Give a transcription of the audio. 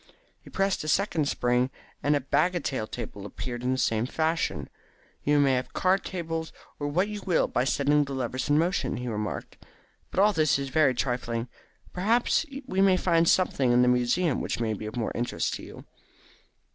He pressed a second spring, and a bagatelle table appeared in the same fashion. "You may have card tables or what you will by setting the levers in motion," he remarked. "But all this is very trifling. Perhaps we may find something in the museum which may be of more interest to you."